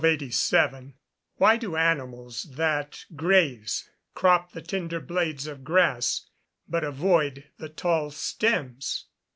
_Why do animals that graze, crop the tender blades of grass, but avoid the tall stems?